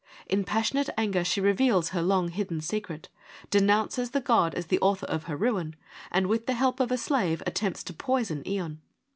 In passionate anger she reveals her long hidden secret, denounces the god as the author of her ruin, and with the help of a slave, attempts to poison Ion.